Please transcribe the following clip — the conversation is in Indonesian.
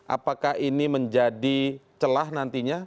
apakah ini menjadi celah nantinya